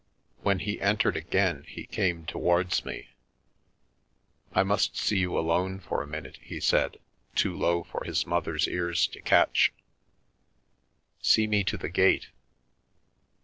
When he entered again he came towards me. " I must see you alone for a minute," he said, too low for his mother's ears to catch. " See me to the gate."